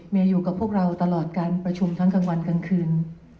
อยู่กับพวกเราตลอดการประชุมทั้งกลางวันกลางคืน